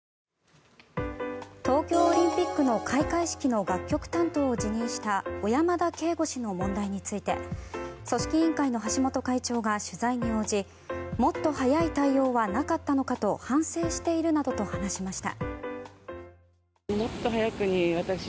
東京オリンピックの開会式の楽曲担当を辞任した小山田圭吾氏の問題について組織委員会の橋本会長が取材に応じもっと早い対応はなかったのかと反省しているなどと話しました。